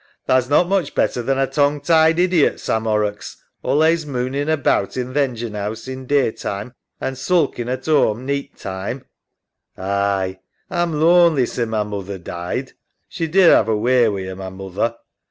Tha's not much better than a tongue tied idiot, Sam Horrocks, allays mooning about in th' engine house in day time an' sulkin' at 'ome neeght time. SAM. Aye, A'm lonely sin' ma moother died. She did 'ave a way wi' 'er, ma moother.